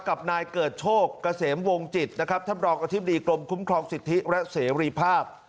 กับนายเกิดโชคเกษมวงจิตนะครับท่านรองอธิบดีกรมคุ้มครองสิทธิและเสรีภาพ